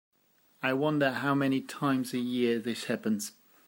I wonder how many times a year this happens.